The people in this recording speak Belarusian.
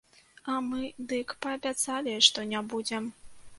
А мы дык паабяцалі, што не будзем.